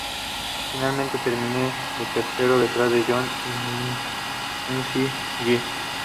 Finalmente terminaría de tercero, detrás de Johnson y McGee.